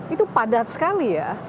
itu padat sekali ya